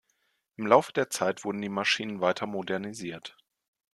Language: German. Im Laufe der Zeit wurden die Maschinen weiter modernisiert.